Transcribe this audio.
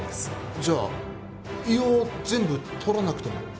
じゃあ胃を全部とらなくても？